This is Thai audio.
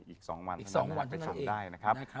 อีก๒วันเท่านั้น